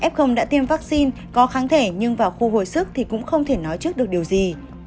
f đã tiêm vaccine có kháng thể nhưng vào khu hồi sức thì cũng không thể nói trước được điều gì